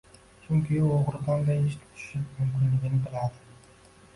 Chunki u o‘g‘ri qanday ish tutishi mumkinligini biladi.